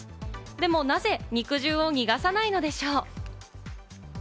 でもなぜ、肉汁を逃がさないのでしょうか？